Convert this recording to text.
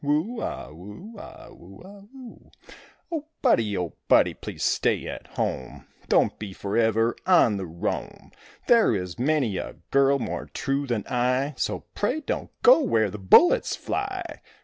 Whoo a whoo a whoo a whoo. "O Buddie, O Buddie, please stay at home, Don't be forever on the roam. There is many a girl more true than I, So pray don't go where the bullets fly."